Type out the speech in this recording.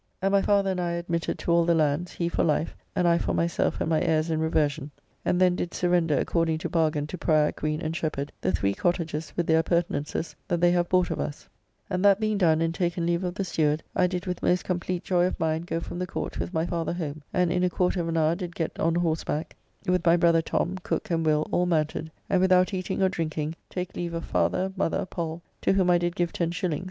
And my father and I admitted to all the lands; he for life, and I for myself and my heirs in reversion, and then did surrender according to bargain to Prior, Greene, and Shepheard the three cottages with their appurtenances that they have bought of us, and that being done and taken leave of the steward, I did with most compleat joy of mind go from the Court with my father home, and in a quarter of an hour did get on horseback, with my brother Tom, Cooke, and Will, all mounted, and without eating or drinking, take leave of father, mother, Pall, to whom I did give 10s.